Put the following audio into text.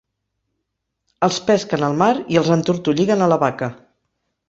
Els pesquen al mar i els entortolliguen a la baca.